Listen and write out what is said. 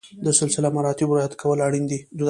د سلسله مراتبو رعایت کول اړین دي.